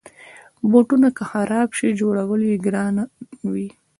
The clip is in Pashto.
بوټونه که خراب شي، جوړول یې ګرانه وي.